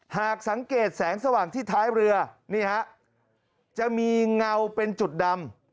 หากสังเกตแสงสว่างที่ท้ายเรือนี่ฮะจะมีเงาเป็นจุดดำ